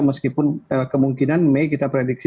meskipun kemungkinan may kita predikasi